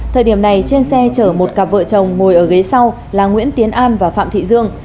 thời điểm này trên xe chở một cặp vợ chồng ngồi ở ghế sau là nguyễn tiến an và phạm thị dương